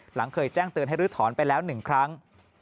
หลังเคยแจ้งเตือนให้ลื้อถอนไปแล้ว๑ครั้ง